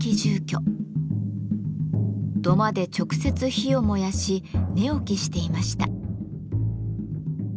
土間で直接火を燃やし寝起きしていました。